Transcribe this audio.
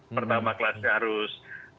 pertama kelas harus